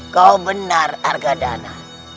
kau benar argadana